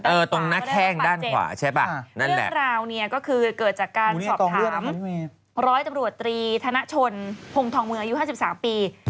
ตรงหน้าแข้งด้านขวาใช่ป่ะนั่นแหละเรื่องราวเนี่ยก็คือเกิดจากการสอบถามร้อยตำรวจตรีธนชนพงทองเมืองอายุ๕๓ปี